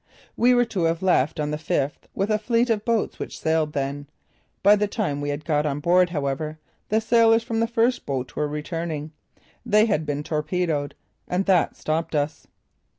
We were to have left on the fifth with a fleet of boats which sailed then. By the time we had got on board, however, the sailors from the first boat were returning. They had been torpedoed. And that stopped us.